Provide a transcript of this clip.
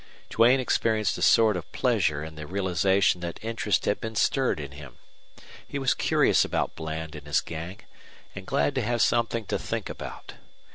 Duane experienced a sort of pleasure in the realization that interest had been stirred in him. He was curious about Bland and his gang, and glad to have something to think about.